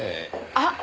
あっ！